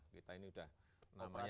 kita ini sudah namanya